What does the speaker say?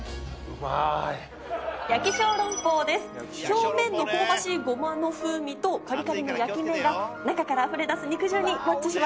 表面の香ばしいゴマの風味とカリカリの焼き目が中からあふれ出す肉汁にマッチします。